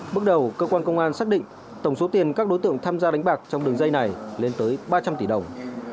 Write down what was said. bước đầu cơ quan công an xác định tổng số tiền các đối tượng tham gia đánh bạc trong đường dây này lên tới ba trăm linh tỷ đồng